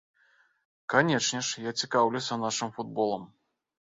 Канечне ж, я цікаўлюся нашым футболам.